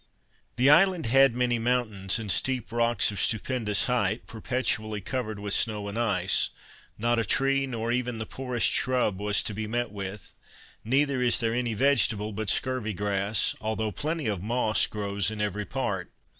The island had many mountains and steep rocks of stupendous height, perpetually covered with snow and ice; not a tree nor even the poorest shrub was to be met with; neither is there any vegetable but scurvy grass, although plenty of moss grows in every part.